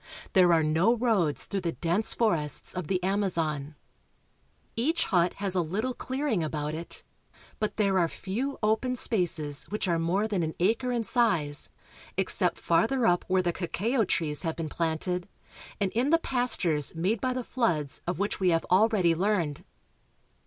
There are no roads through the dense forests of the Amazon. Each hut has a little clearing about it, but there are few open spaces which are more than an acre in size, except farther up where the cacao trees have been planted, and in the pastures made by the floods of which we have already learned.